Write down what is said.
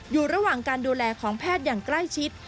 อยู่ระหว่างการดูแลของแพทย์อย่างใกล้ชิด